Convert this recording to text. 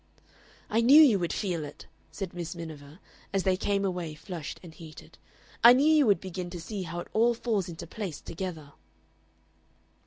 "I knew you would feel it," said Miss Miniver, as they came away flushed and heated. "I knew you would begin to see how it all falls into place together."